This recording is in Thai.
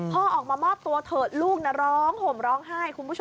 พ่อออกมามอบตัวเถอะลูกร้องห่มร้องไห้คุณผู้ชม